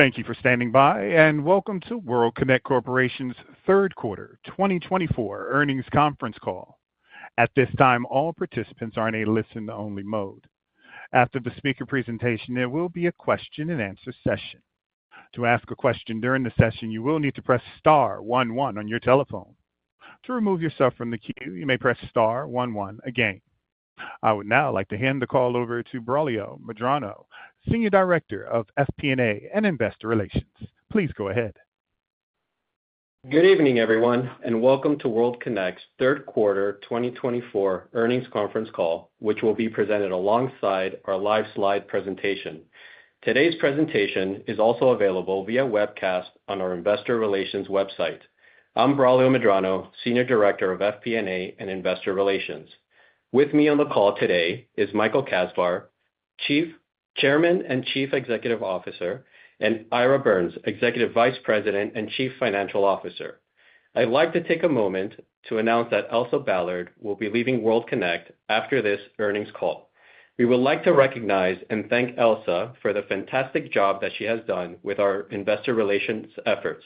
Thank you for standing by, and welcome to World Kinect Corporation's third quarter twenty twenty-four earnings conference call. At this time, all participants are in a listen-only mode. After the speaker presentation, there will be a question-and-answer session. To ask a question during the session, you will need to press star one one on your telephone. To remove yourself from the queue, you may press star one one again. I would now like to hand the call over to Braulio Medrano, Senior Director of FP&A and Investor Relations. Please go ahead. Good evening, everyone, and welcome to World Kinect's third quarter twenty twenty-four earnings conference call, which will be presented alongside our live slide presentation. Today's presentation is also available via webcast on our investor relations website. I'm Braulio Medrano, Senior Director of FP&A and Investor Relations. With me on the call today is Michael Kasbar, Chairman and Chief Executive Officer, and Ira Birns, Executive Vice President and Chief Financial Officer. I'd like to take a moment to announce that Elsa Ballard will be leaving World Kinect after this earnings call. We would like to recognize and thank Elsa for the fantastic job that she has done with our investor relations efforts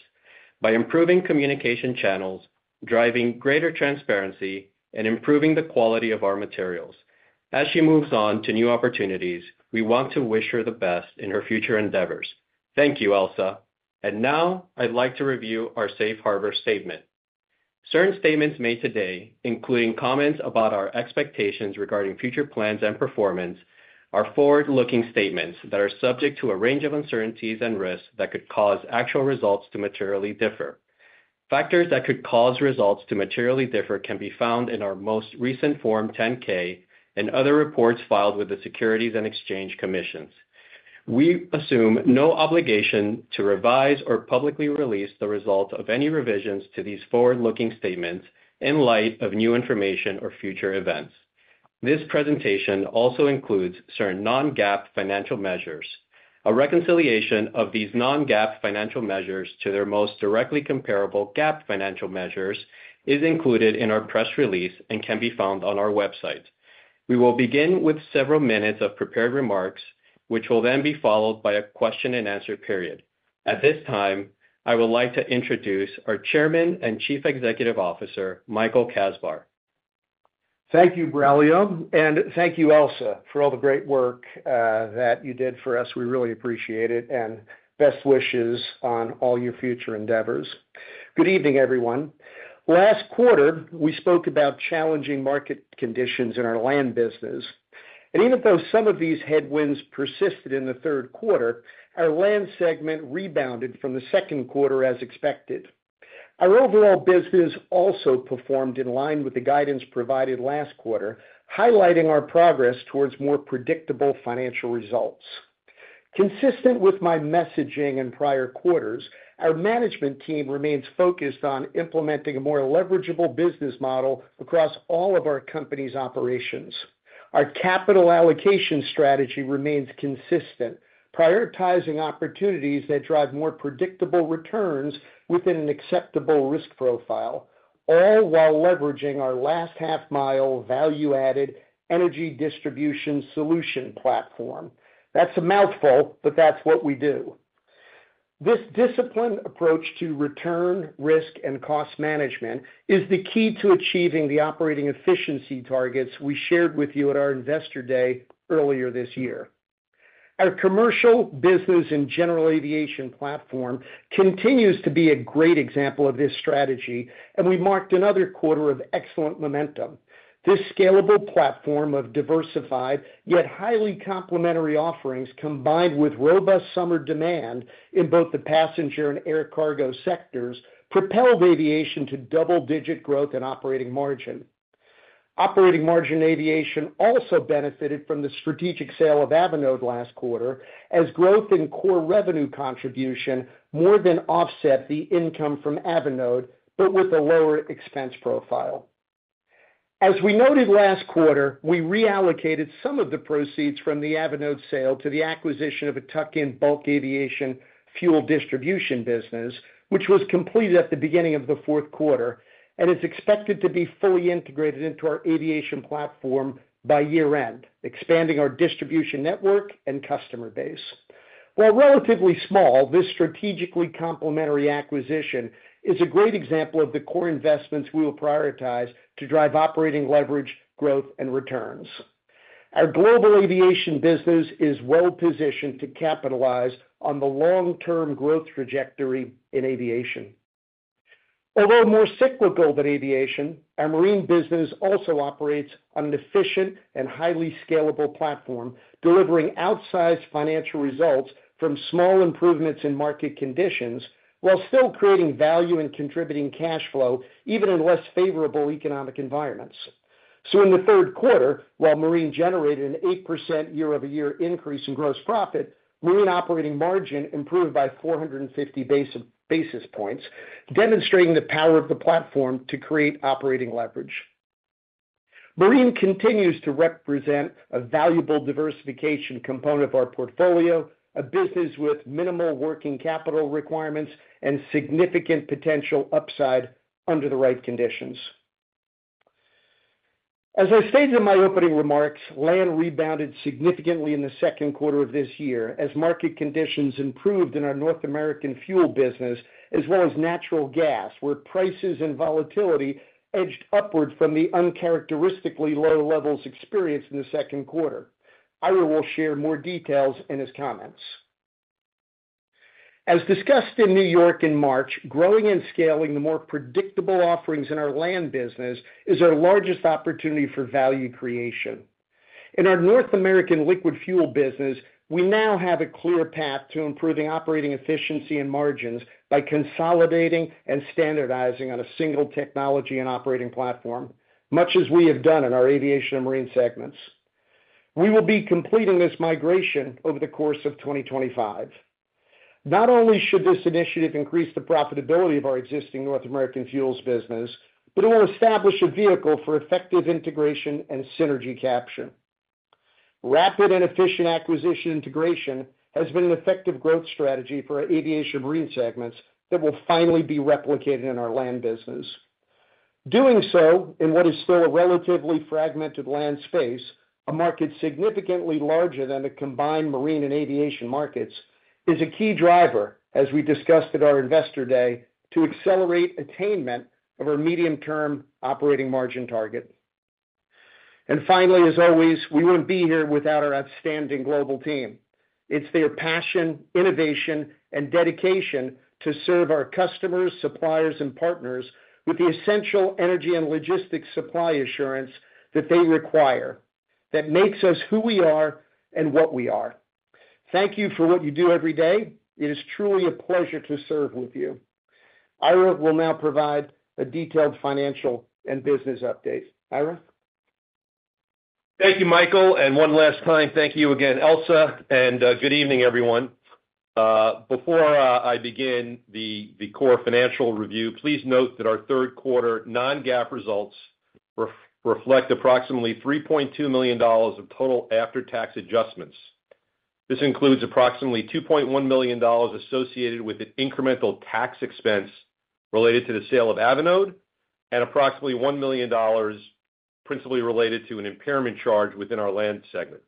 by improving communication channels, driving greater transparency, and improving the quality of our materials. As she moves on to new opportunities, we want to wish her the best in her future endeavors. Thank you, Elsa. And now I'd like to review our safe harbor statement. Certain statements made today, including comments about our expectations regarding future plans and performance, are forward-looking statements that are subject to a range of uncertainties and risks that could cause actual results to materially differ. Factors that could cause results to materially differ can be found in our most recent Form 10-K and other reports filed with the Securities and Exchange Commission. We assume no obligation to revise or publicly release the results of any revisions to these forward-looking statements in light of new information or future events. This presentation also includes certain non-GAAP financial measures. A reconciliation of these non-GAAP financial measures to their most directly comparable GAAP financial measures is included in our press release and can be found on our website. We will begin with several minutes of prepared remarks, which will then be followed by a question-and-answer period. At this time, I would like to introduce our Chairman and Chief Executive Officer, Michael Kasbar. Thank you, Braulio, and thank you, Elsa, for all the great work that you did for us. We really appreciate it, and best wishes on all your future endeavors. Good evening, everyone. Last quarter, we spoke about challenging market conditions in our land business, and even though some of these headwinds persisted in the third quarter, our land segment rebounded from the second quarter as expected. Our overall business also performed in line with the guidance provided last quarter, highlighting our progress towards more predictable financial results. Consistent with my messaging in prior quarters, our management team remains focused on implementing a more leverageable business model across all of our company's operations. Our capital allocation strategy remains consistent, prioritizing opportunities that drive more predictable returns within an acceptable risk profile, all while leveraging our last half-mile value-added energy distribution solution platform. That's a mouthful, but that's what we do. This disciplined approach to return, risk, and cost management is the key to achieving the operating efficiency targets we shared with you at our Investor Day earlier this year. Our commercial business and general aviation platform continues to be a great example of this strategy, and we marked another quarter of excellent momentum. This scalable platform of diversified, yet highly complementary offerings, combined with robust summer demand in both the passenger and air cargo sectors, propelled aviation to double-digit growth and operating margin. Operating margin aviation also benefited from the strategic sale of Avinode last quarter, as growth in core revenue contribution more than offset the income from Avinode, but with a lower expense profile. As we noted last quarter, we reallocated some of the proceeds from the Avinode sale to the acquisition of a tuck-in bulk aviation fuel distribution business, which was completed at the beginning of the fourth quarter and is expected to be fully integrated into our aviation platform by year-end, expanding our distribution network and customer base. While relatively small, this strategically complementary acquisition is a great example of the core investments we will prioritize to drive operating leverage, growth, and returns. Our global aviation business is well positioned to capitalize on the long-term growth trajectory in aviation. Although more cyclical than aviation, our marine business also operates on an efficient and highly scalable platform, delivering outsized financial results from small improvements in market conditions, while still creating value and contributing cash flow, even in less favorable economic environments. So in the third quarter, while marine generated an 8% year-over-year increase in gross profit, marine operating margin improved by 450 basis points, demonstrating the power of the platform to create operating leverage. Marine continues to represent a valuable diversification component of our portfolio, a business with minimal working capital requirements and significant potential upside under the right conditions. As I stated in my opening remarks, land rebounded significantly in the second quarter of this year as market conditions improved in our North American fuel business, as well as natural gas, where prices and volatility edged upward from the uncharacteristically low levels experienced in the second quarter. Ira will share more details in his comments. As discussed in New York in March, growing and scaling the more predictable offerings in our land business is our largest opportunity for value creation. In our North American liquid fuel business, we now have a clear path to improving operating efficiency and margins by consolidating and standardizing on a single technology and operating platform, much as we have done in our aviation and marine segments. We will be completing this migration over the course of 2025. Not only should this initiative increase the profitability of our existing North American fuels business, but it will establish a vehicle for effective integration and synergy capture. Rapid and efficient acquisition integration has been an effective growth strategy for our aviation and marine segments that will finally be replicated in our land business. Doing so, in what is still a relatively fragmented land space, a market significantly larger than the combined marine and aviation markets, is a key driver, as we discussed at our Investor Day, to accelerate attainment of our medium-term operating margin target. Finally, as always, we wouldn't be here without our outstanding global team. It's their passion, innovation, and dedication to serve our customers, suppliers, and partners with the essential energy and logistics supply assurance that they require, that makes us who we are and what we are. Thank you for what you do every day. It is truly a pleasure to serve with you. Ira will now provide a detailed financial and business update. Ira? Thank you, Michael, and one last time, thank you again, Elsa, and good evening, everyone. Before I begin the core financial review, please note that our third quarter non-GAAP results reflect approximately $3.2 million of total after-tax adjustments. This includes approximately $2.1 million associated with an incremental tax expense related to the sale of Avinode, and approximately $1 million principally related to an impairment charge within our land segment.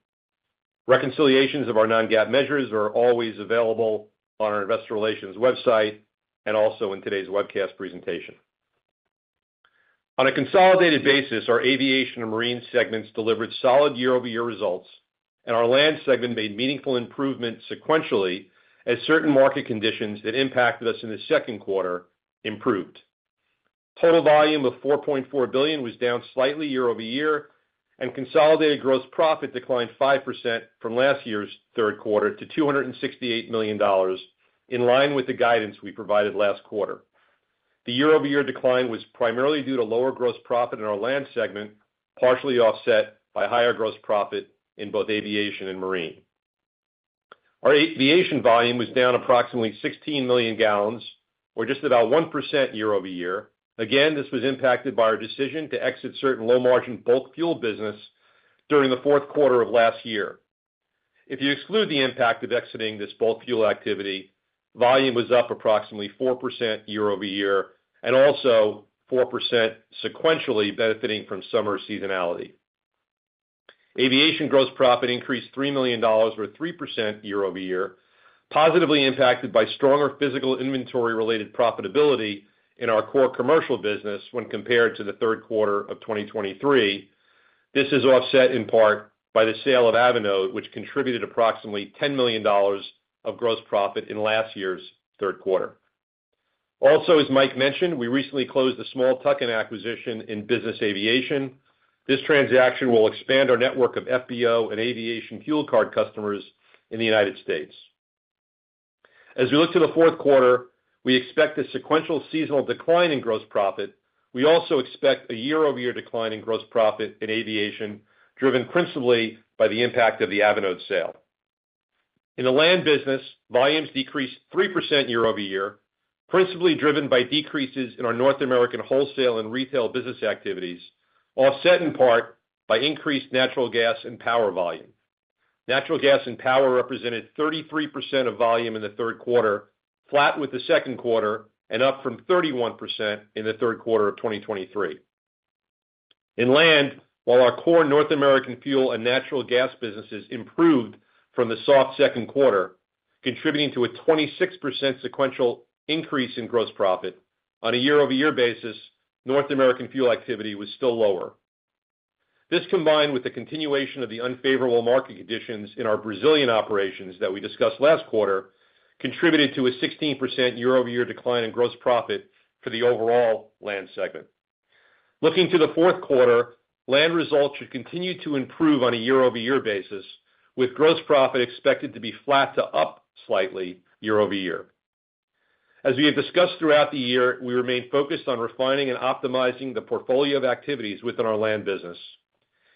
Reconciliations of our non-GAAP measures are always available on our investor relations website and also in today's webcast presentation. On a consolidated basis, our aviation and marine segments delivered solid year-over-year results, and our land segment made meaningful improvement sequentially, as certain market conditions that impacted us in the second quarter improved. Total volume of 4.4 billion was down slightly year-over-year, and consolidated gross profit declined 5% from last year's third quarter to $268 million, in line with the guidance we provided last quarter. The year-over-year decline was primarily due to lower gross profit in our land segment, partially offset by higher gross profit in both aviation and marine. Our aviation volume was down approximately 16 million gallons or just about 1% year over year. Again, this was impacted by our decision to exit certain low-margin bulk fuel business during the fourth quarter of last year. If you exclude the impact of exiting this bulk fuel activity, volume was up approximately 4% year over year, and also 4% sequentially benefiting from summer seasonality. Aviation gross profit increased $3 million or 3% year over year, positively impacted by stronger physical inventory-related profitability in our core commercial business when compared to the third quarter of 2023. This is offset in part by the sale of Avinode, which contributed approximately $10 million of gross profit in last year's third quarter. Also, as Mike mentioned, we recently closed a small tuck-in acquisition in business aviation. This transaction will expand our network of FBO and aviation fuel card customers in the United States. As we look to the fourth quarter, we expect a sequential seasonal decline in gross profit. We also expect a year-over-year decline in gross profit in aviation, driven principally by the impact of the Avinode sale. In the land business, volumes decreased 3% year over year, principally driven by decreases in our North American wholesale and retail business activities, offset in part by increased natural gas and power volume. Natural gas and power represented 33% of volume in the third quarter, flat with the second quarter, and up from 31% in the third quarter of 2023. In land, while our core North American fuel and natural gas businesses improved from the soft second quarter, contributing to a 26% sequential increase in gross profit, on a year-over-year basis, North American fuel activity was still lower. This, combined with the continuation of the unfavorable market conditions in our Brazilian operations that we discussed last quarter, contributed to a 16% year-over-year decline in gross profit for the overall land segment. Looking to the fourth quarter, land results should continue to improve on a year-over-year basis, with gross profit expected to be flat to up slightly year over year. As we have discussed throughout the year, we remain focused on refining and optimizing the portfolio of activities within our land business.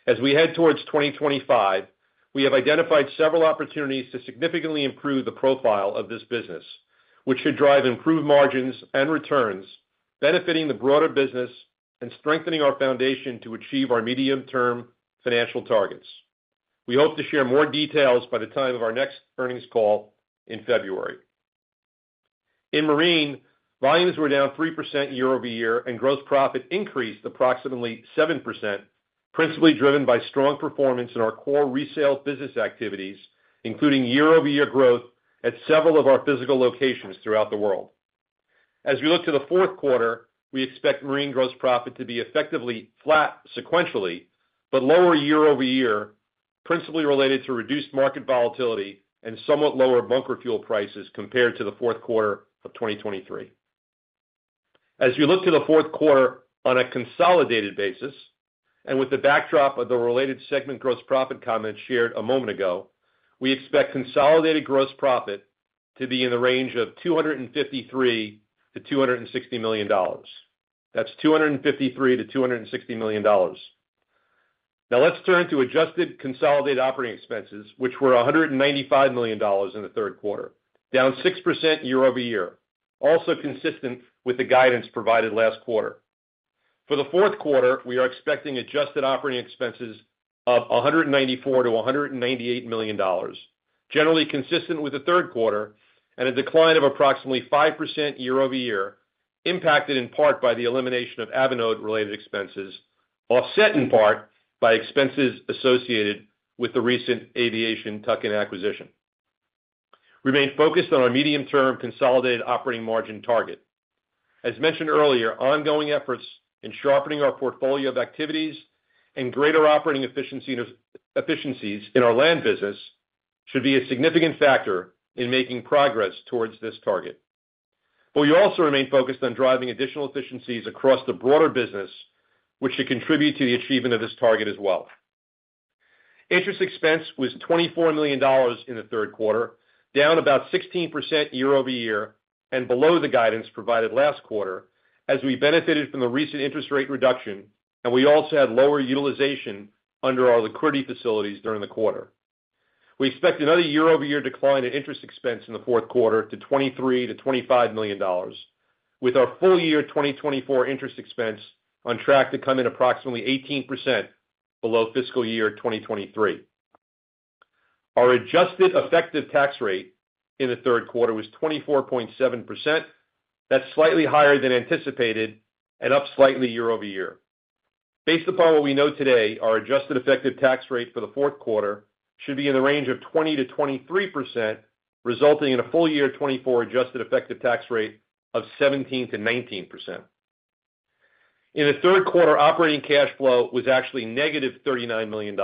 As we head towards twenty twenty-five, we have identified several opportunities to significantly improve the profile of this business, which should drive improved margins and returns, benefiting the broader business and strengthening our foundation to achieve our medium-term financial targets. We hope to share more details by the time of our next earnings call in February. In marine, volumes were down 3% year-over-year, and gross profit increased approximately 7%, principally driven by strong performance in our core resale business activities, including year-over-year growth at several of our physical locations throughout the world. As we look to the fourth quarter, we expect marine gross profit to be effectively flat sequentially, but lower year-over-year, principally related to reduced market volatility and somewhat lower bunker fuel prices compared to the fourth quarter of 2023. As you look to the fourth quarter on a consolidated basis, and with the backdrop of the related segment gross profit comments shared a moment ago, we expect consolidated gross profit to be in the range of $253 million-$260 million. That's $253 million-$260 million. Now let's turn to adjusted consolidated operating expenses, which were $195 million in the third quarter, down 6% year-over-year, also consistent with the guidance provided last quarter. For the fourth quarter, we are expecting adjusted operating expenses of $194 million-$198 million, generally consistent with the third quarter, and a decline of approximately 5% year-over-year, impacted in part by the elimination of Avinode-related expenses, offset in part by expenses associated with the recent Aviation tuck-in acquisition. We remain focused on our medium-term consolidated operating margin target. As mentioned earlier, ongoing efforts in sharpening our portfolio of activities and greater operating efficiencies in our land business should be a significant factor in making progress towards this target. But we also remain focused on driving additional efficiencies across the broader business, which should contribute to the achievement of this target as well. Interest expense was $24 million in the third quarter, down about 16% year-over-year, and below the guidance provided last quarter, as we benefited from the recent interest rate reduction, and we also had lower utilization under our liquidity facilities during the quarter. We expect another year-over-year decline in interest expense in the fourth quarter to $23-$25 million, with our full year 2024 interest expense on track to come in approximately 18% below fiscal year 2023. Our adjusted effective tax rate in the third quarter was 24.7%. That's slightly higher than anticipated and up slightly year-over-year. Based upon what we know today, our adjusted effective tax rate for the fourth quarter should be in the range of 20%-23%, resulting in a full year 2024 adjusted effective tax rate of 17%-19%. In the third quarter, operating cash flow was actually negative $39 million.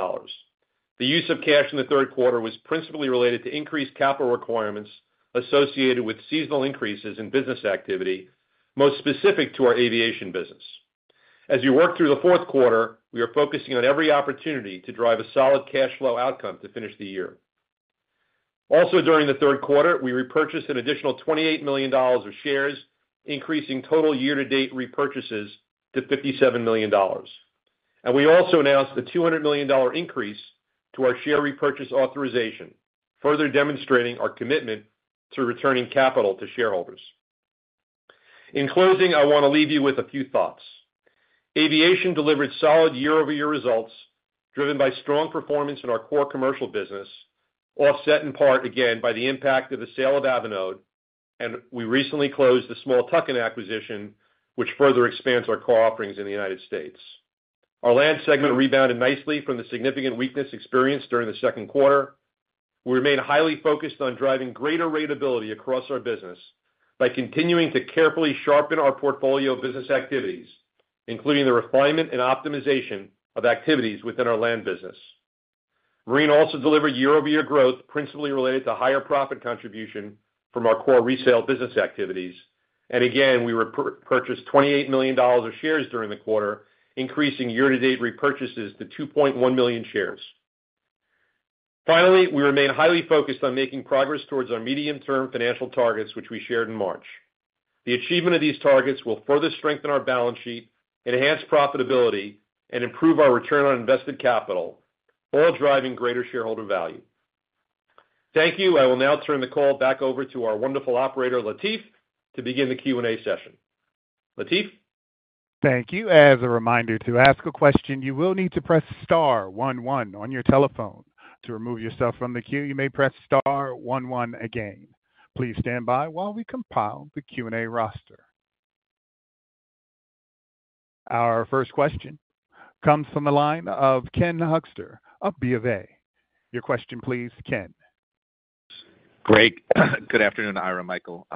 The use of cash in the third quarter was principally related to increased capital requirements associated with seasonal increases in business activity, most specific to our aviation business. As we work through the fourth quarter, we are focusing on every opportunity to drive a solid cash flow outcome to finish the year. Also, during the third quarter, we repurchased an additional $28 million of shares, increasing total year-to-date repurchases to $57 million. And we also announced a $200 million dollar increase to our share repurchase authorization, further demonstrating our commitment to returning capital to shareholders. In closing, I want to leave you with a few thoughts. Aviation delivered solid year-over-year results, driven by strong performance in our core commercial business, offset in part, again, by the impact of the sale of Avinode, and we recently closed the small tuck-in acquisition, which further expands our core offerings in the United States. Our land segment rebounded nicely from the significant weakness experienced during the second quarter. We remain highly focused on driving greater ratability across our business by continuing to carefully sharpen our portfolio of business activities, including the refinement and optimization of activities within our land business. Marine also delivered year-over-year growth, principally related to higher profit contribution from our core resale business activities. And again, we repurchased $28 million of shares during the quarter, increasing year-to-date repurchases to 2.1 million shares. Finally, we remain highly focused on making progress towards our medium-term financial targets, which we shared in March. The achievement of these targets will further strengthen our balance sheet, enhance profitability, and improve our return on invested capital, all driving greater shareholder value. Thank you. I will now turn the call back over to our wonderful operator, Latif, to begin the Q&A session. Latif? Thank you. As a reminder, to ask a question, you will need to press star one one on your telephone. To remove yourself from the queue, you may press star one one again. Please stand by while we compile the Q&A roster. Our first question comes from the line of Ken Hoexter of BofA. Your question, please, Ken. Great. Good afternoon, Ira, Michael.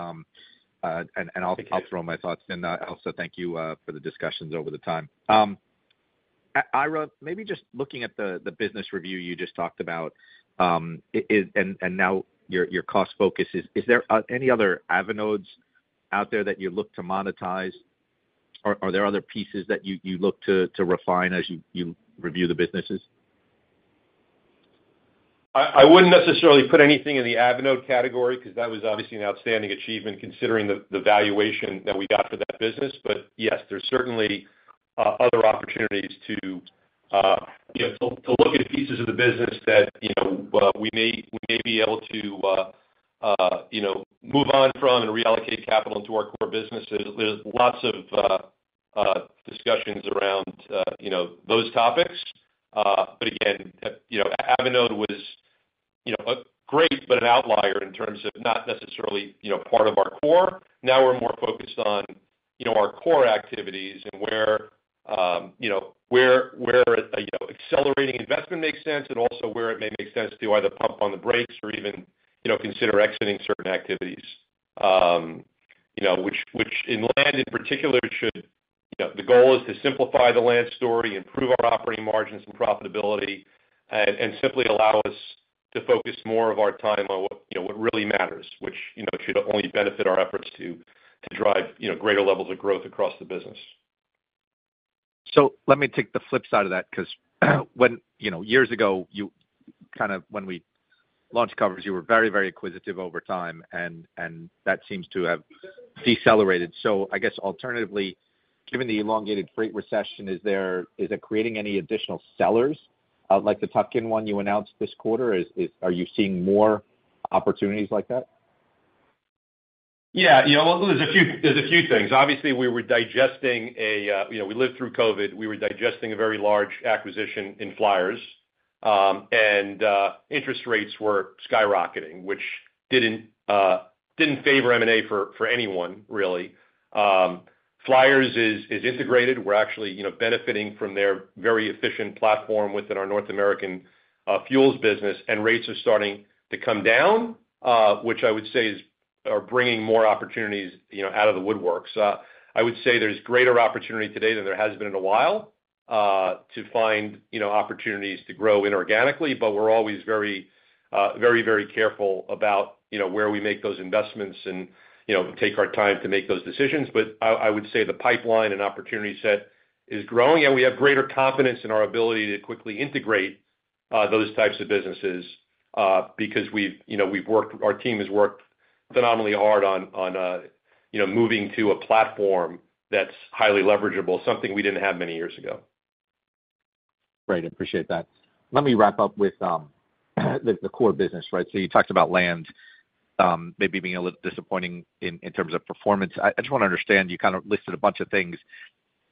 Thank you.... I'll throw my thoughts in. Also, thank you for the discussions over the time. Ira, maybe just looking at the business review you just talked about, and now your cost focus is, is there any other Avinodes out there that you look to monetize? Or, are there other pieces that you look to refine as you review the businesses? I wouldn't necessarily put anything in the Avinode category, because that was obviously an outstanding achievement, considering the valuation that we got for that business. But yes, there's certainly other opportunities to you know to look at pieces of the business that you know we may be able to you know move on from and reallocate capital into our core businesses. There's lots of discussions around you know those topics. But again you know Avinode was you know a great but an outlier in terms of not necessarily you know part of our core. Now we're more focused on, you know, our core activities and where, you know, where accelerating investment makes sense, and also where it may make sense to either pump on the brakes or even, you know, consider exiting certain activities. You know, which in land, in particular, should. You know, the goal is to simplify the land story, improve our operating margins and profitability, and simply allow us to focus more of our time on what, you know, what really matters, which, you know, should only benefit our efforts to drive, you know, greater levels of growth across the business. So let me take the flip side of that, 'cause when, you know, years ago, you kind of-- when we launched coverage, you were very, very acquisitive over time, and, and that seems to have decelerated. So I guess alternatively, given the elongated freight recession, is there-- is it creating any additional sellers, like the tuck-in one you announced this quarter? Is are you seeing more opportunities like that? Yeah, you know, well, there's a few things. Obviously, we were digesting a... You know, we lived through COVID. We were digesting a very large acquisition in Flyers, and interest rates were skyrocketing, which didn't favor M&A for anyone, really. Flyers is integrated. We're actually, you know, benefiting from their very efficient platform within our North American fuels business, and rates are starting to come down, which I would say are bringing more opportunities, you know, out of the woodworks. I would say there's greater opportunity today than there has been in a while to find, you know, opportunities to grow inorganically, but we're always very, very, very careful about, you know, where we make those investments and, you know, take our time to make those decisions. But I would say the pipeline and opportunity set is growing, and we have greater confidence in our ability to quickly integrate those types of businesses, because we've, you know, our team has worked phenomenally hard on, you know, moving to a platform that's highly leverageable, something we didn't have many years ago. Great, appreciate that. Let me wrap up with the core business, right? So you talked about land, maybe being a little disappointing in terms of performance. I just wanna understand, you kind of listed a bunch of things.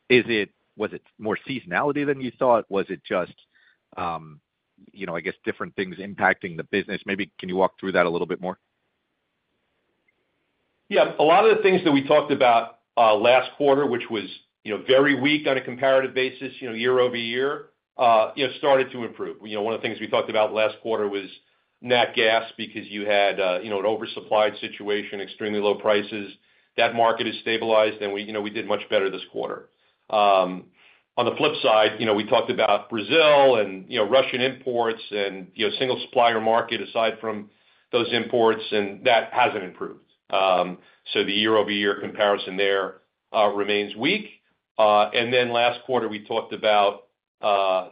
Is it was it more seasonality than you thought? Was it just, you know, I guess, different things impacting the business? Maybe can you walk through that a little bit more? Yeah. A lot of the things that we talked about last quarter, which was, you know, very weak on a comparative basis, you know, year over year, you know, started to improve. You know, one of the things we talked about last quarter was nat gas, because you had, you know, an oversupplied situation, extremely low prices. That market is stabilized, and we, you know, we did much better this quarter. On the flip side, you know, we talked about Brazil and, you know, Russian imports and, you know, single supplier market aside from those imports, and that hasn't improved. So the year-over-year comparison there remains weak. And then last quarter, we talked about our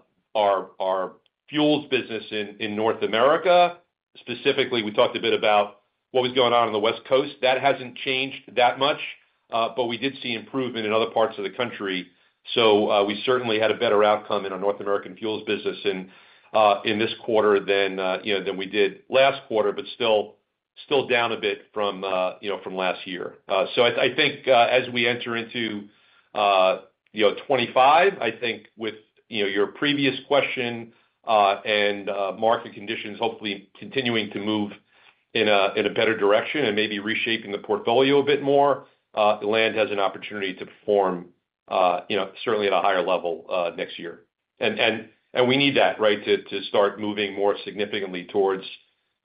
fuels business in North America. Specifically, we talked a bit about what was going on in the West Coast. That hasn't changed that much, but we did see improvement in other parts of the country, so we certainly had a better outcome in our North American fuels business in this quarter than, you know, than we did last quarter, but still down a bit from, you know, from last year. So I think, as we enter into 2025, I think with, you know, your previous question, and market conditions hopefully continuing to move in a better direction and maybe reshaping the portfolio a bit more, the land has an opportunity to perform, you know, certainly at a higher level next year. We need that, right, to start moving more significantly towards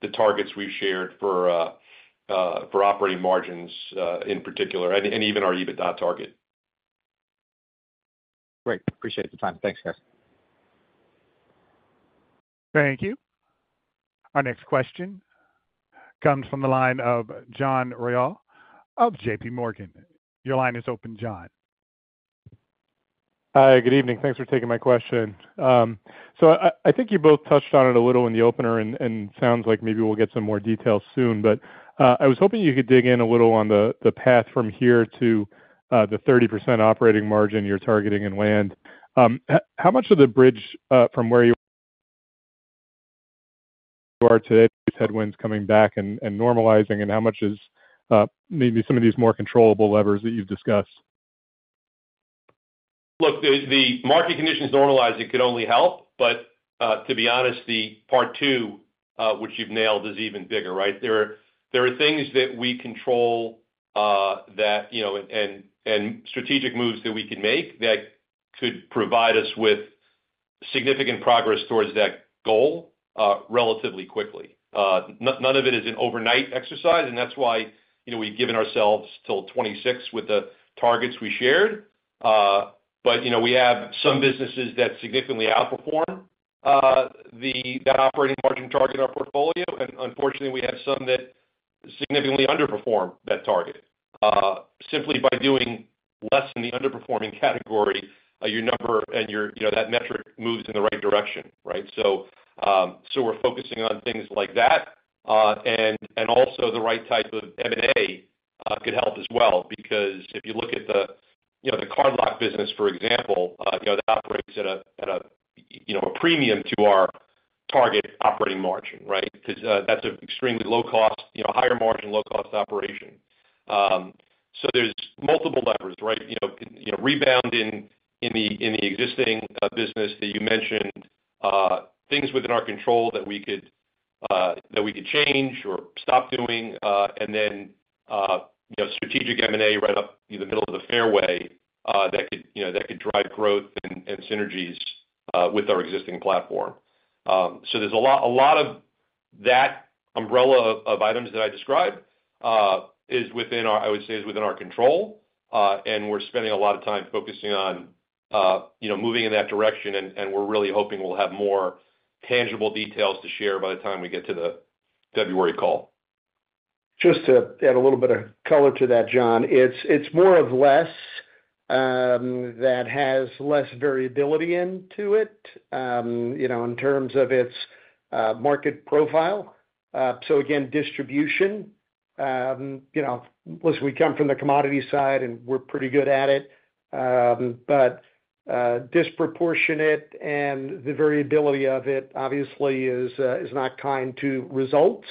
the targets we've shared for operating margins, in particular, and even our EBITDA target. Great. Appreciate the time. Thanks, guys. Thank you. Our next question comes from the line of John Royal of J.P. Morgan. Your line is open, John. Hi, good evening. Thanks for taking my question. So I think you both touched on it a little in the opener and sounds like maybe we'll get some more details soon, but I was hoping you could dig in a little on the path from here to the 30% operating margin you're targeting in land. How much of the bridge from where you are today, these headwinds coming back and normalizing, and how much is maybe some of these more controllable levers that you've discussed? Look, the market conditions normalizing could only help, but to be honest, the part two, which you've nailed, is even bigger, right? There are things that we control, that you know, and strategic moves that we can make that could provide us with significant progress towards that goal, relatively quickly. None of it is an overnight exercise, and that's why, you know, we've given ourselves till 2026 with the targets we shared, but you know, we have some businesses that significantly outperform the operating margin target in our portfolio, and unfortunately, we have some that significantly underperform that target. Simply by doing less in the underperforming category, your number and you know, that metric moves in the right direction, right, so we're focusing on things like that. And also the right type of M&A could help as well, because if you look at the, you know, the cardlock business, for example, you know, that operates at a premium to our target operating margin, right? Because that's an extremely low cost, you know, higher margin, low cost operation. So there's multiple levers, right? You know, rebounding in the existing business that you mentioned, things within our control that we could change or stop doing. And then, you know, strategic M&A right up in the middle of the fairway, that could drive growth and synergies with our existing platform. So there's a lot, a lot of that umbrella of items that I described is within our, I would say, is within our control. And we're spending a lot of time focusing on, you know, moving in that direction, and we're really hoping we'll have more tangible details to share by the time we get to the February call. Just to add a little bit of color to that, John. It's, it's more of less, that has less variability into it, you know, in terms of its market profile. So again, distribution. You know, listen, we come from the commodity side, and we're pretty good at it. But disproportionate, and the variability of it, obviously is not kind to results,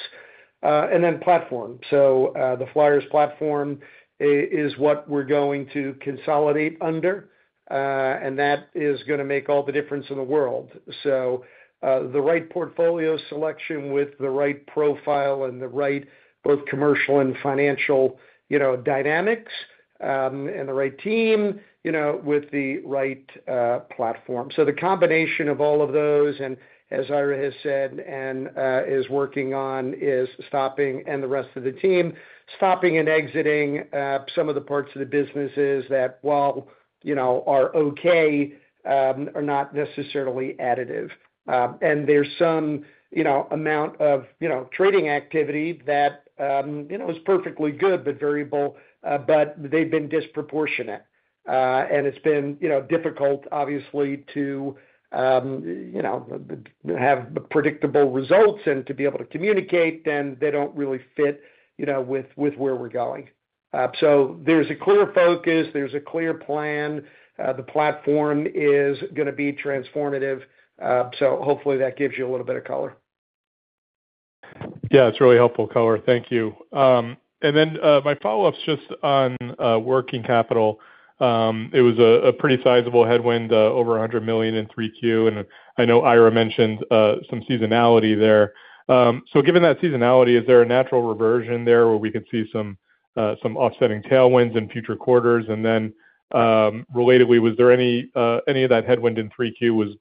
and then platform. So, the Flyers platform is what we're going to consolidate under, and that is gonna make all the difference in the world. So, the right portfolio selection with the right profile and the right, both commercial and financial, you know, dynamics, and the right team, you know, with the right platform. So the combination of all of those, and as Ira has said, and is working on, is stopping and the rest of the team, stopping and exiting some of the parts of the businesses that, well, you know, are okay, are not necessarily additive. And there's some, you know, amount of, you know, trading activity that, you know, is perfectly good, but variable, but they've been disproportionate. And it's been, you know, difficult, obviously, to, you know, have predictable results and to be able to communicate, then they don't really fit, you know, with, with where we're going. So there's a clear focus, there's a clear plan. The platform is gonna be transformative. So hopefully that gives you a little bit of color. Yeah, it's a really helpful color. Thank you. And then my follow-up is just on working capital. It was a pretty sizable headwind, over $100 million in 3Q, and I know Ira mentioned some seasonality there. So given that seasonality, is there a natural reversion there where we could see some offsetting tailwinds in future quarters? And then, relatedly, was there any of that headwind in 3Q?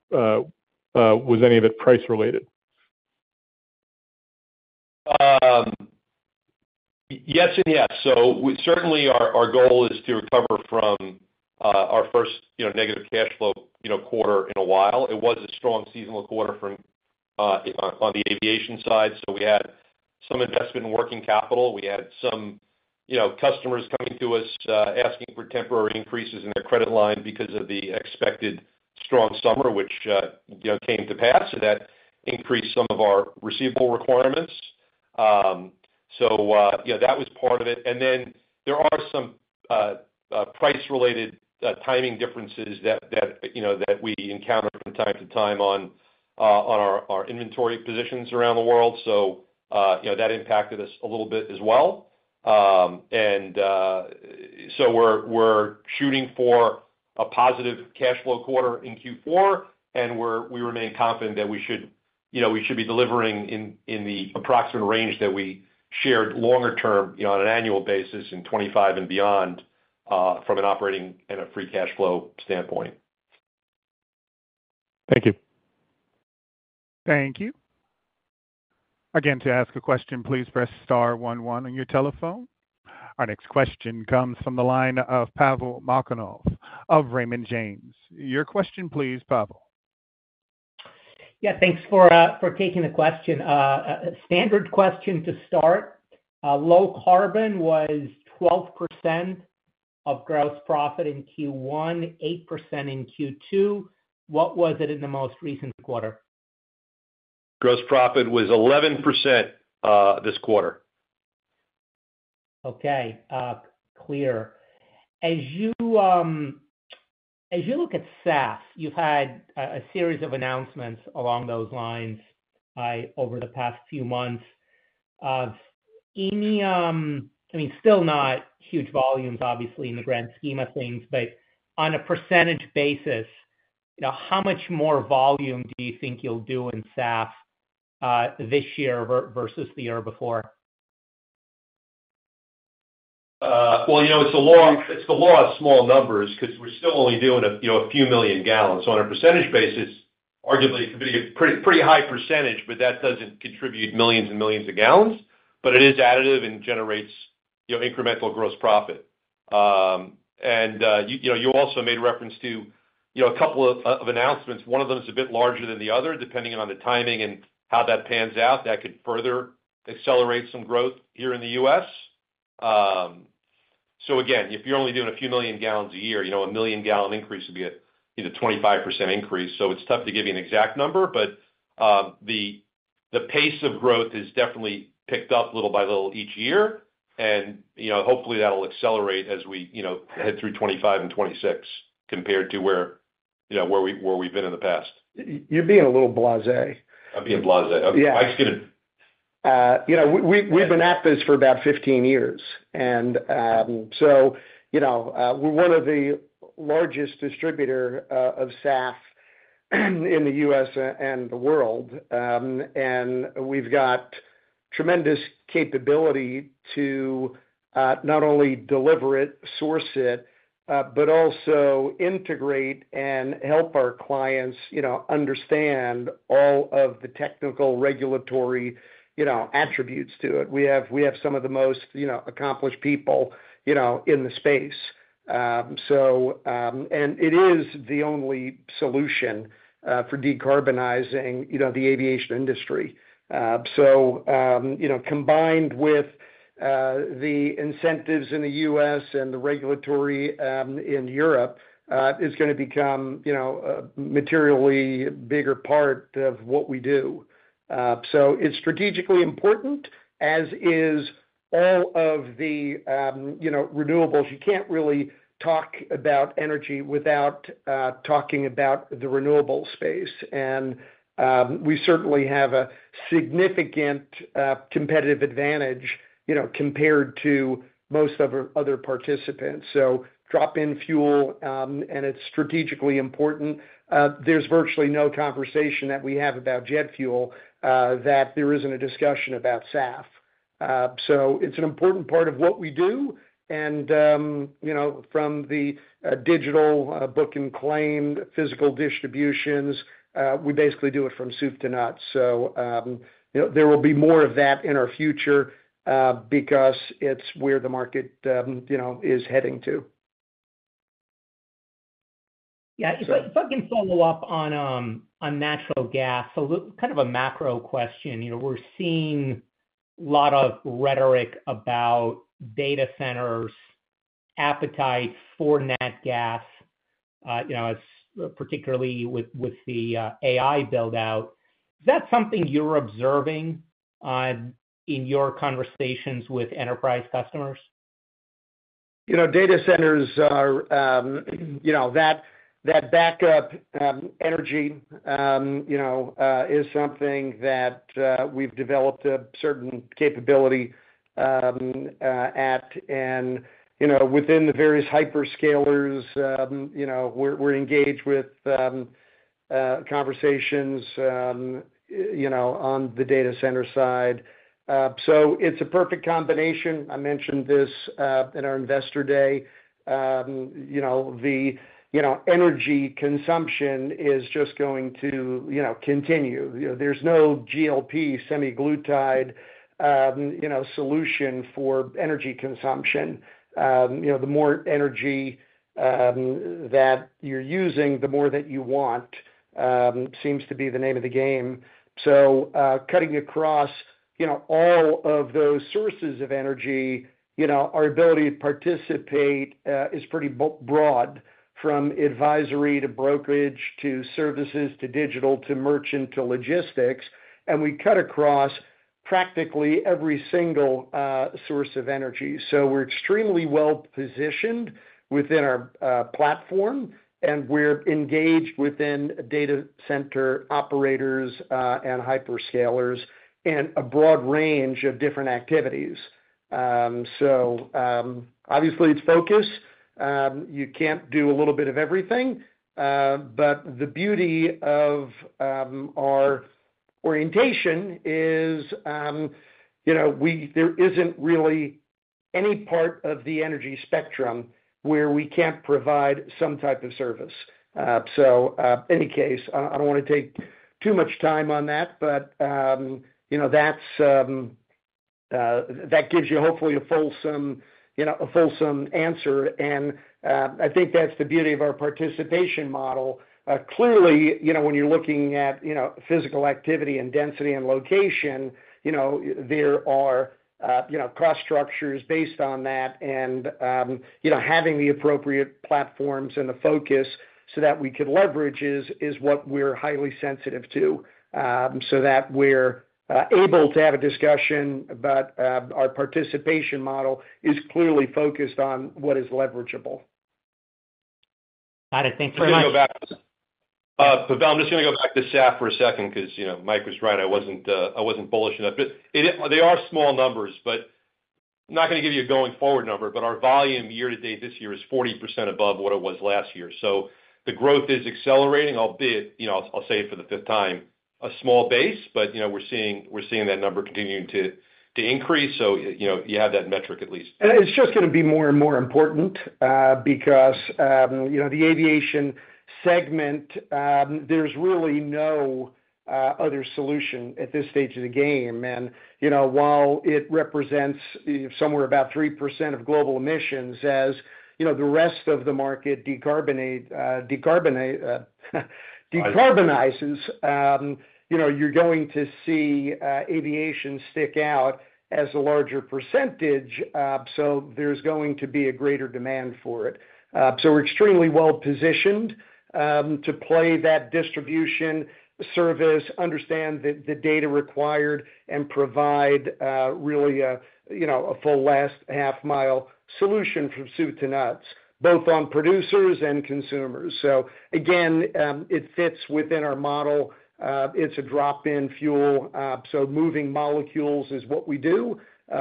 Was any of it price related? Yes and yes. So we certainly, our goal is to recover from our first, you know, negative cash flow, you know, quarter in a while. It was a strong seasonal quarter from on the aviation side, so we had some investment in working capital. We had some, you know, customers coming to us asking for temporary increases in their credit line because of the expected strong summer, which, you know, came to pass. So that increased some of our receivable requirements. So, yeah, that was part of it. And then there are some price related timing differences that, you know, that we encounter from time to time on our inventory positions around the world. So, you know, that impacted us a little bit as well. So we're shooting for a positive cash flow quarter in Q4, and we remain confident that we should be delivering in the approximate range that we shared longer term, you know, on an annual basis in 2025 and beyond, from an operating and a free cash flow standpoint. Thank you. Thank you. Again, to ask a question, please press star one one on your telephone. Our next question comes from the line of Pavel Molchanov of Raymond James. Your question please, Pavel. Yeah, thanks for taking the question. A standard question to start, low carbon was 12% of gross profit in Q1, 8% in Q2. What was it in the most recent quarter? Gross profit was 11% this quarter. Okay, clear. As you look at SAF, you've had a series of announcements along those lines over the past few months. Any... I mean, still not huge volumes, obviously, in the grand scheme of things, but on a percentage basis, you know, how much more volume do you think you'll do in SAF, this year versus the year before? Well, you know, it's the law of small numbers because we're still only doing a few million gallons. So on a percentage basis, arguably, it could be a pretty high percentage, but that doesn't contribute millions and millions of gallons, but it is additive and generates, you know, incremental gross profit. And you know, you also made reference to a couple of announcements. One of them is a bit larger than the other. Depending on the timing and how that pans out, that could further accelerate some growth here in the U.S. So again, if you're only doing a few million gallons a year, you know, a million gallon increase would be a 25% increase, so it's tough to give you an exact number, but the-... The pace of growth has definitely picked up little by little each year, and, you know, hopefully, that'll accelerate as we, you know, head through 2025 and 2026 compared to where, you know, where we, where we've been in the past. You're being a little blasé. I'm being blasé? Yeah. Mike's going to- You know, we've been at this for about 15 years, and you know, we're one of the largest distributor of SAF in the U.S. and the world. And we've got tremendous capability to not only deliver it, source it, but also integrate and help our clients, you know, understand all of the technical, regulatory, you know, attributes to it. We have some of the most, you know, accomplished people, you know, in the space. It is the only solution for decarbonizing, you know, the aviation industry. You know, combined with the incentives in the U.S. and the regulatory in Europe, is going to become, you know, a materially bigger part of what we do. So it's strategically important, as is all of the, you know, renewables. You can't really talk about energy without talking about the renewable space. And we certainly have a significant competitive advantage, you know, compared to most other participants. So drop-in fuel and it's strategically important. There's virtually no conversation that we have about jet fuel that there isn't a discussion about SAF. So it's an important part of what we do, and you know, from the digital book and claim, physical distributions, we basically do it from soup to nuts. So you know, there will be more of that in our future because it's where the market is heading to. Yeah, if I, if I can follow up on, on natural gas, so kind of a macro question. You know, we're seeing a lot of rhetoric about data centers' appetite for nat gas, you know, as particularly with, with the, AI build-out. Is that something you're observing, in your conversations with enterprise customers? You know, data centers are, you know, backup energy is something that we've developed a certain capability at. And, you know, within the various hyperscalers, you know, we're engaged with conversations, you know, on the data center side. So it's a perfect combination. I mentioned this in our Investor Day. You know, energy consumption is just going to, you know, continue. You know, there's no GLP-1 semaglutide, you know, solution for energy consumption. You know, the more energy that you're using, the more that you want seems to be the name of the game. So, cutting across, you know, all of those sources of energy, you know, our ability to participate is pretty broad, from advisory, to brokerage, to services, to digital, to merchant, to logistics, and we cut across practically every single source of energy. So we're extremely well-positioned within our platform, and we're engaged within data center operators and hyperscalers in a broad range of different activities. So, obviously, it's focus. You can't do a little bit of everything, but the beauty of our orientation is, you know, there isn't really any part of the energy spectrum where we can't provide some type of service. So, in any case, I don't want to take too much time on that, but, you know, that's that gives you hopefully a fulsome, you know, a fulsome answer. And, I think that's the beauty of our participation model. Clearly, you know, when you're looking at, you know, physical activity, and density, and location, you know, there are, you know, cost structures based on that. And, you know, having the appropriate platforms and the focus so that we can leverage is what we're highly sensitive to, so that we're able to have a discussion, but, our participation model is clearly focused on what is leverageable. Got it. Thank you very much. Pavel, I'm just gonna go back to SAF for a second 'cause, you know, Mike was right. I wasn't, I wasn't bullish enough. But it is. They are small numbers, but I'm not gonna give you a going-forward number, but our volume year to date this year is 40% above what it was last year. So the growth is accelerating, albeit, you know, I'll say it for the fifth time, a small base, but, you know, we're seeing that number continuing to increase. So, you know, you have that metric at least. And it's just gonna be more and more important, because, you know, the aviation segment. There's really no other solution at this stage of the game. And, you know, while it represents somewhere about 3% of global emissions, as, you know, the rest of the market decarbonizes, you know, you're going to see aviation stick out as a larger percentage, so there's going to be a greater demand for it. So we're extremely well positioned to play that distribution service, understand the data required, and provide really, you know, a full last half-mile solution from soup to nuts, both on producers and consumers. So again, it fits within our model. It's a drop-in fuel, so moving molecules is what we do,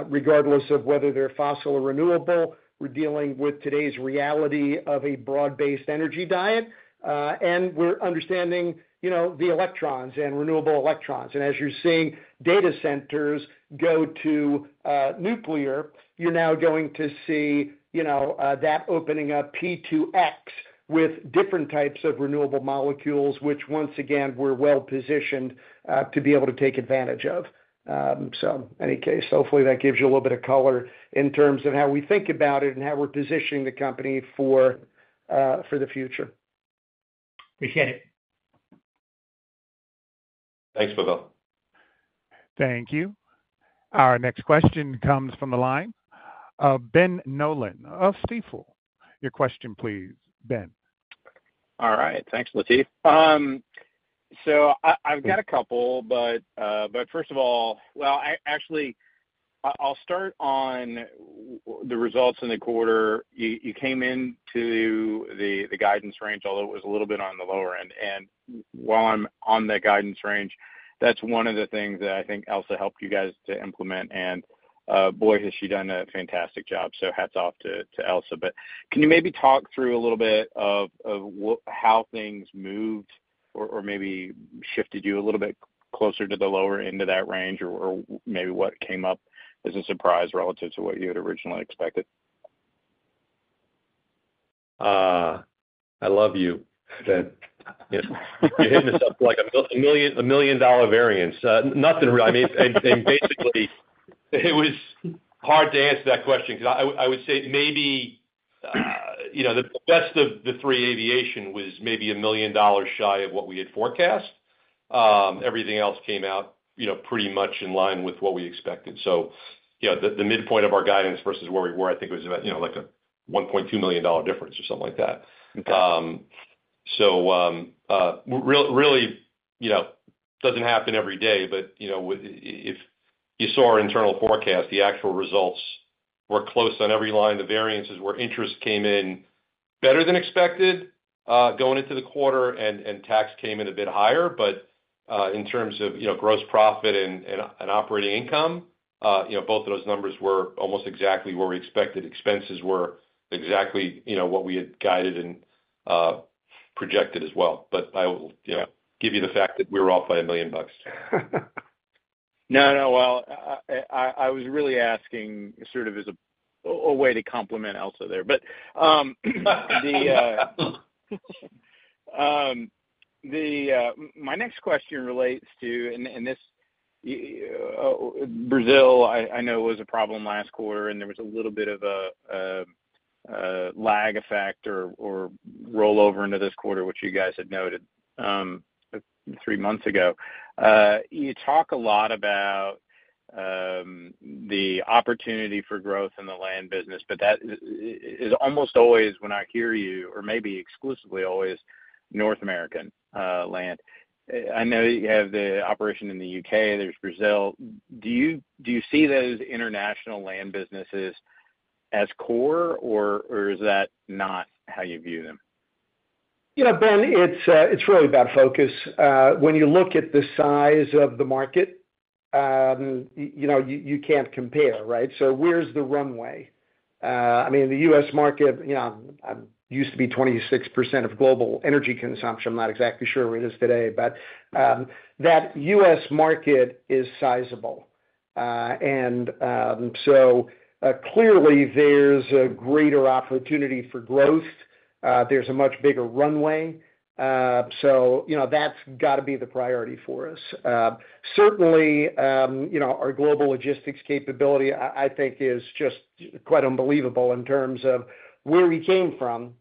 regardless of whether they're fossil or renewable. We're dealing with today's reality of a broad-based energy diet, and we're understanding, you know, the electrons and renewable electrons. And as you're seeing data centers go to nuclear, you're now going to see, you know, that opening up P2X with different types of renewable molecules, which once again, we're well positioned to be able to take advantage of. In any case, hopefully, that gives you a little bit of color in terms of how we think about it and how we're positioning the company for the future. Appreciate it. Thanks, Michael. Thank you. Our next question comes from the line of Ben Nolan of Stifel. Your question please, Ben. All right. Thanks, Latiff. So I've got a couple, but first of all. Actually, I'll start on the results in the quarter. You came into the guidance range, although it was a little bit on the lower end. While I'm on that guidance range, that's one of the things that I think Elsa helped you guys to implement, and boy, has she done a fantastic job! So hats off to Elsa. But can you maybe talk through a little bit of how things moved or maybe shifted you a little bit closer to the lower end of that range, or maybe what came up as a surprise relative to what you had originally expected? I love you, Ben. You're hitting this up like a million, a million-dollar variance. Nothing really, I mean. And basically, it was hard to answer that question because I would say maybe, you know, the best of the three aviation was maybe $1 million shy of what we had forecast. Everything else came out, you know, pretty much in line with what we expected. So, you know, the midpoint of our guidance versus where we were, I think it was about, you know, like a $1.2 million difference or something like that. Okay. Really, you know, doesn't happen every day, but, you know, if you saw our internal forecast, the actual results were close on every line. The variances where interest came in better than expected, going into the quarter, and tax came in a bit higher. But, in terms of, you know, gross profit and operating income, you know, both of those numbers were almost exactly where we expected. Expenses were exactly, you know, what we had guided and projected as well. But I will, you know, give you the fact that we were off by $1 million. No, no. Well, I was really asking sort of as a way to compliment Elsa there. But, my next question relates to, and this, Brazil, I know was a problem last quarter, and there was a little bit of a lag effect or rollover into this quarter, which you guys had noted three months ago. You talk a lot about the opportunity for growth in the land business, but that is almost always when I hear you, or maybe exclusively, always North American land. I know you have the operation in the UK, there's Brazil. Do you see those international land businesses as core, or is that not how you view them? You know, Ben, it's really about focus. When you look at the size of the market, you know, you can't compare, right? So where's the runway? I mean, the U.S. market, you know, used to be 26% of global energy consumption. I'm not exactly sure where it is today, but that U.S. market is sizable. And so clearly, there's a greater opportunity for growth. There's a much bigger runway, so you know, that's got to be the priority for us. Certainly, you know, our global logistics capability, I think is just quite unbelievable in terms of where we came from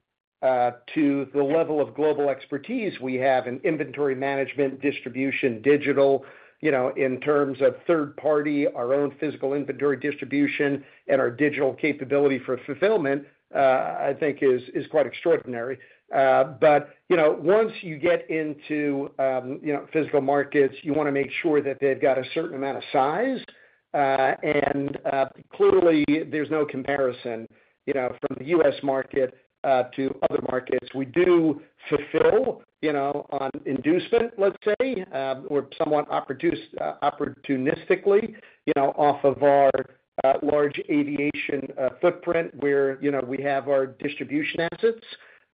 to the level of global expertise we have in inventory management, distribution, digital, you know, in terms of third party, our own physical inventory distribution, and our digital capability for fulfillment, I think is quite extraordinary. But, you know, once you get into physical markets, you wanna make sure that they've got a certain amount of size, and clearly, there's no comparison, you know, from the U.S. market to other markets. We do fulfill, you know, on inducement, let's say, or somewhat opportunistically, you know, off of our large aviation footprint, where, you know, we have our distribution assets,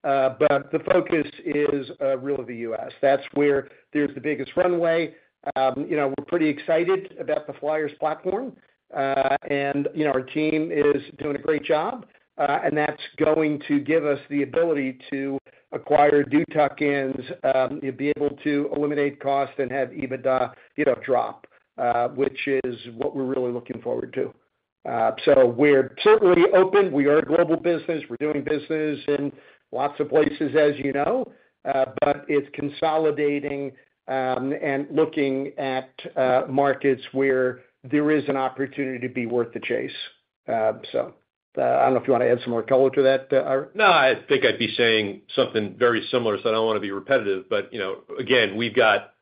but the focus is really the U.S. That's where there's the biggest runway. You know, we're pretty excited about the Flyers platform, and, you know, our team is doing a great job, and that's going to give us the ability to acquire, do tuck-ins, you'll be able to eliminate costs and have EBITDA, you know, drop, which is what we're really looking forward to. So we're certainly open. We are a global business. We're doing business in lots of places, as you know, but it's consolidating, and looking at markets where there is an opportunity to be worth the chase. So, I don't know if you wanna add some more color to that, Ira? No, I think I'd be saying something very similar, so I don't wanna be repetitive. But, you know, again, we've got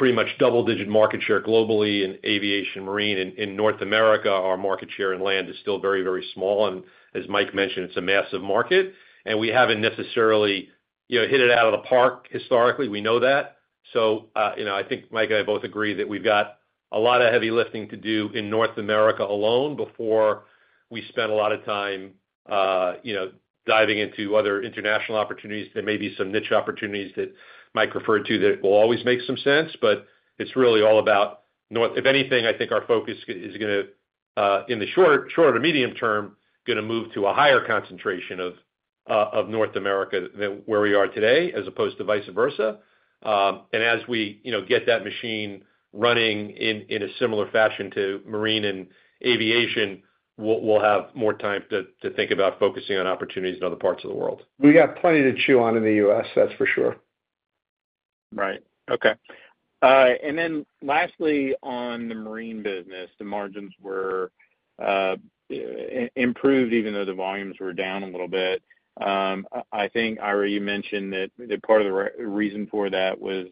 pretty much double-digit market share globally in aviation, marine. In North America, our market share in land is still very, very small, and as Mike mentioned, it's a massive market, and we haven't necessarily, you know, hit it out of the park historically. We know that. So, you know, I think Mike and I both agree that we've got a lot of heavy lifting to do in North America alone before we spend a lot of time, you know, diving into other international opportunities. There may be some niche opportunities that Mike referred to that will always make some sense, but it's really all about North America. If anything, I think our focus is gonna in the short or medium term, gonna move to a higher concentration of North America than where we are today, as opposed to vice versa. And as we you know get that machine running in a similar fashion to marine and aviation, we'll have more time to think about focusing on opportunities in other parts of the world. We got plenty to chew on in the U.S., that's for sure. Right. Okay, and then lastly, on the marine business, the margins were improved, even though the volumes were down a little bit. I think, Ira, you mentioned that part of the reason for that was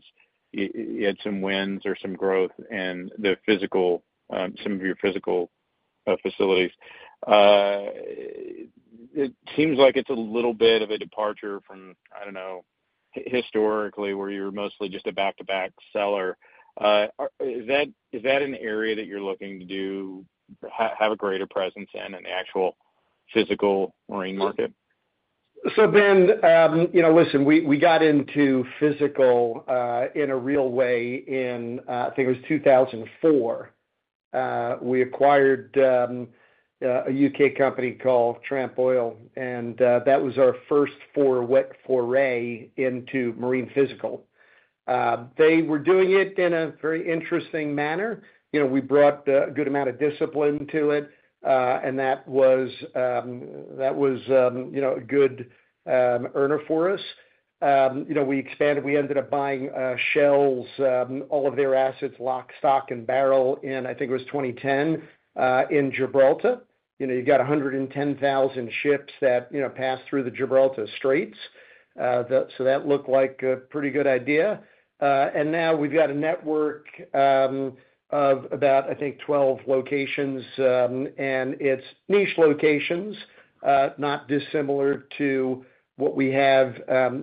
you had some wins or some growth in the physical, some of your physical facilities. It seems like it's a little bit of a departure from, I don't know, historically, where you're mostly just a back-to-back seller. Is that an area that you're looking to have a greater presence in, in the actual physical marine market? So, Ben, you know, listen, we got into physical in a real way in, I think it was 2004. We acquired a U.K. company called Tramp Oil, and that was our first foray into marine physical. They were doing it in a very interesting manner. You know, we brought a good amount of discipline to it, and that was, you know, a good earner for us. You know, we expanded. We ended up buying Shell's all of their assets, lock, stock, and barrel in, I think it was 2010, in Gibraltar. You know, you got 110,000 ships that, you know, pass through the Gibraltar Strait, so that looked like a pretty good idea. And now we've got a network of about, I think, 12 locations, and it's niche locations, not dissimilar to what we have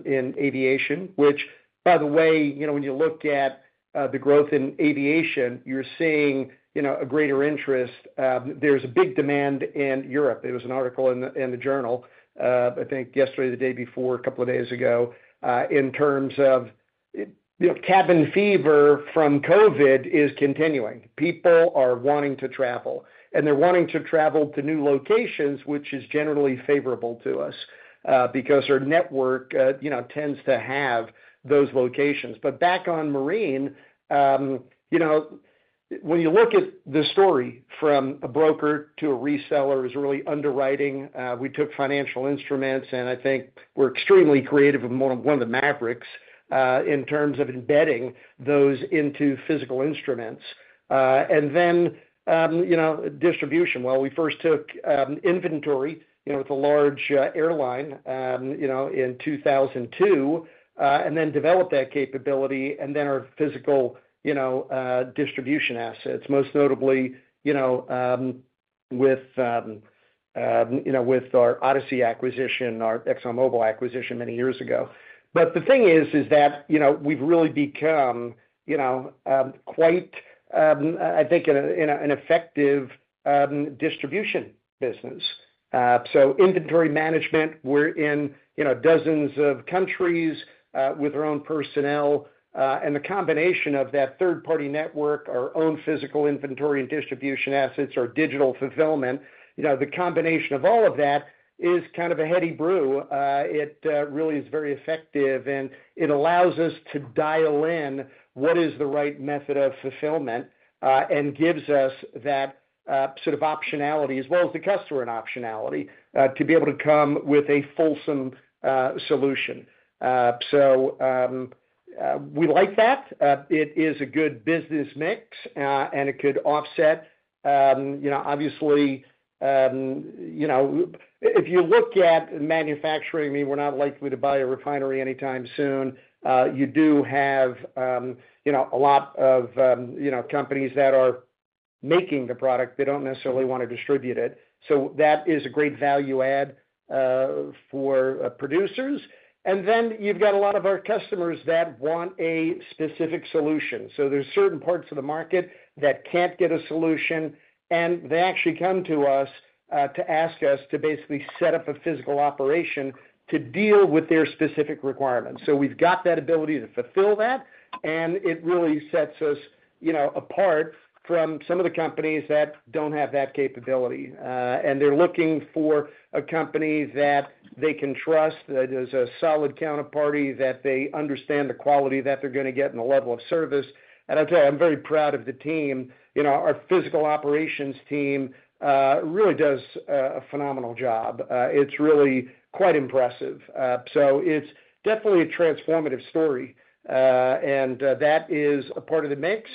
in aviation. Which, by the way, you know, when you look at the growth in aviation, you're seeing, you know, a greater interest. There's a big demand in Europe. There was an article in the Journal, I think yesterday or the day before, a couple of days ago, in terms of, you know, cabin fever from COVID is continuing. People are wanting to travel, and they're wanting to travel to new locations, which is generally favorable to us, because our network, you know, tends to have those locations. But back on marine, you know, when you look at the story from a broker to a reseller is really underwriting. We took financial instruments, and I think we're extremely creative and more, one of the mavericks, in terms of embedding those into physical instruments. And then, you know, distribution. Well, we first took inventory, you know, with a large airline, you know, in 2002, and then developed that capability, and then our physical, you know, distribution assets, most notably, you know, with our Watson acquisition, our ExxonMobil acquisition many years ago. But the thing is that, you know, we've really become, you know, quite, I think an effective distribution business. So inventory management, we're in, you know, dozens of countries, with our own personnel, and the combination of that third-party network, our own physical inventory and distribution assets are digital fulfillment. You know, the combination of all of that is kind of a heady brew. It really is very effective, and it allows us to dial in what is the right method of fulfillment, and gives us that sort of optionality, as well as the customer an optionality, to be able to come with a fulsome solution. So we like that. It is a good business mix, and it could offset, you know, obviously, you know. If you look at manufacturing, I mean, we're not likely to buy a refinery anytime soon. You do have, you know, a lot of, you know, companies that are making the product. They don't necessarily wanna distribute it. So that is a great value add, for producers. You've got a lot of our customers that want a specific solution. There's certain parts of the market that can't get a solution, and they actually come to us to ask us to basically set up a physical operation to deal with their specific requirements. We've got that ability to fulfill that, and it really sets us, you know, apart from some of the companies that don't have that capability. They're looking for a company that they can trust, that is a solid counterparty, that they understand the quality that they're gonna get and the level of service. I'll tell you, I'm very proud of the team. You know, our physical operations team really does a phenomenal job. It's really quite impressive. It's definitely a transformative story, and that is a part of the mix.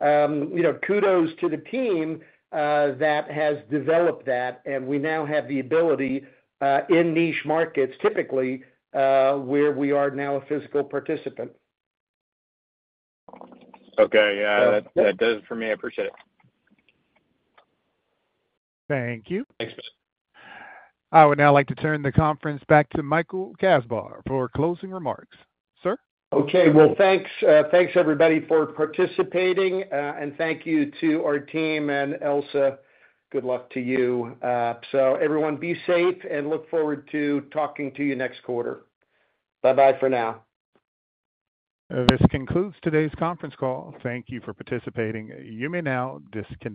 You know, kudos to the team that has developed that, and we now have the ability in niche markets, typically, where we are now a physical participant. Okay. Yeah, that does it for me. I appreciate it. Thank you. Thanks. I would now like to turn the conference back to Michael Kasbar for closing remarks. Sir? Okay. Well, thanks, everybody, for participating, and thank you to our team and Elsa. Good luck to you. So everyone be safe, and look forward to talking to you next quarter. Bye-bye for now. This concludes today's conference call. Thank you for participating. You may now disconnect.